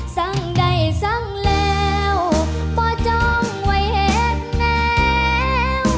สั่งใดสั่งแล้วบ่จ้องไว้เห็นแล้ว